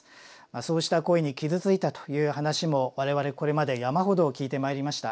そうした声に傷ついたという話も我々これまで山ほど聞いてまいりました。